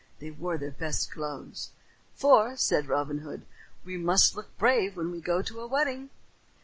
They wore their best clothes. "For," said Robin Hood, "we must look brave when we go to a wedding."